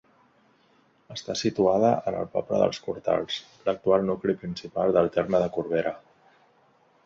Està situada en el poble dels Cortals, l'actual nucli principal del terme de Corbera.